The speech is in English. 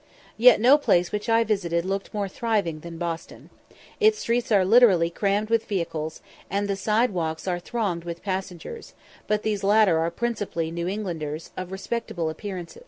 Yet no place which I visited looked more thriving than Boston. Its streets are literally crammed with vehicles, and the side walks are thronged with passengers, but these latter are principally New Englanders, of respectable appearance.